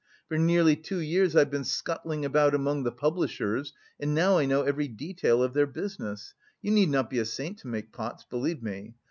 For nearly two years I've been scuttling about among the publishers, and now I know every detail of their business. You need not be a saint to make pots, believe me!